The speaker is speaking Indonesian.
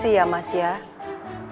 sekali lagi terima kasih ya mas ya